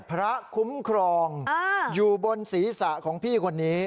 พระคุ้มครองอยู่บนศีรษะของพี่คนนี้